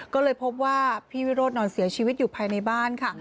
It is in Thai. ก็เลยพบว่าพี่วิโรธนอนเสียชีวิตอยู่ภายในบ้านค่ะ